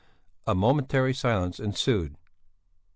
A momentary silence ensued.